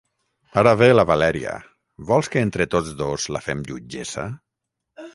Ara ve la Valèria; vols que entre tots dos la fem jutgessa?